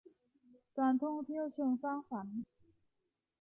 การท่องเที่ยวเชิงสร้างสรรค์